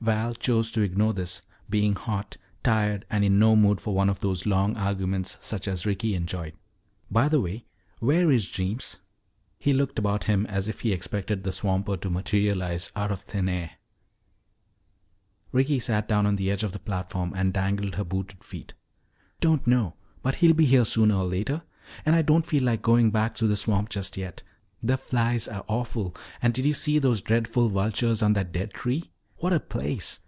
Val chose to ignore this, being hot, tired, and in no mood for one of those long arguments such as Ricky enjoyed. "By the way, where is Jeems?" He looked about him as if he expected the swamper to materialize out of thin air. Ricky sat down on the edge of the platform and dangled her booted feet. "Don't know. But he'll be here sooner or later. And I don't feel like going back through the swamp just yet. The flies are awful. And did you see those dreadful vultures on that dead tree? What a place!